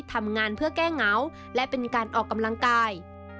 ทำงานเพื่อแก้เหงาและเป็นการออกกำลังกาย